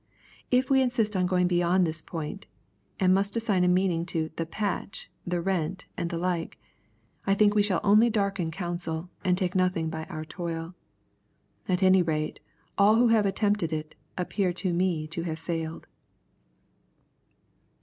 If we insist on going beyond this point, and must assign a meaning to " the patch," " the rent," and* the like, I think we shall only darken counsel, and take nothing by our toil. At any rate all who have attempted it, appear to me to have failed.